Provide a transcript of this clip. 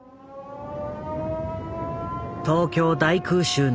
東京大空襲の直後